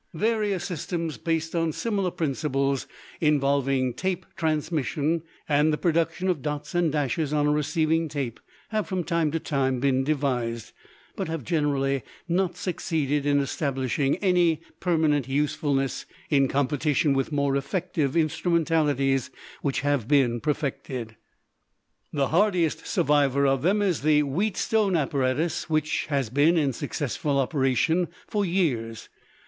Various systems, based on similar principles, involving tape transmission and the production of dots and dashes on a receiving tape, have from time to time been devised, but have generally not succeeded in establishing any permanent usefulness in competition with more effective instrumentalities which have been perfected. The hardiest survivor of them is the Wheatstone apparatus, which has been in successful operation for years.